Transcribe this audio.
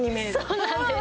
そうなんです。